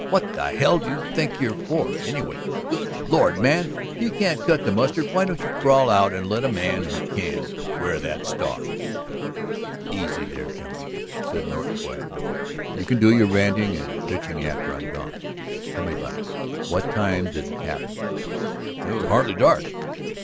"What the hell do you think you're for, anyway? Good Lord, man, if you can't cut the mustard, why don't you crawl out and let a man who can wear your star?" "Easy there, Kemble," said Norton quietly. "You can do your raring and pitching after I'm gone. Tell me about it. What time did it happen?" "It was hardly dark."